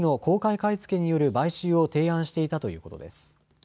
買い付けによる買収を提案していたということです。